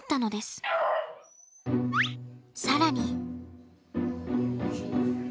更に。